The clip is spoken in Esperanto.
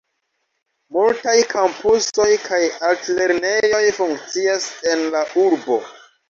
Multaj kampusoj kaj altlernejoj funkcias en la urbo.